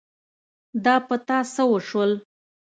دا په تا څه وشول ؟